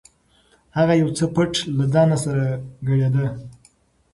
هغه یو څه پټ له ځانه سره ګړېده.